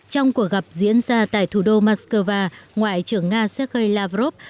trong cuộc gặp diễn ra tại thủ đô moscow ngoại trưởng nga sergei lavrov